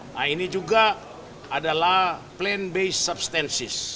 nah ini juga adalah plan based substances